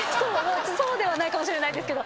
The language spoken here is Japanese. そうではないかもしれないですけど。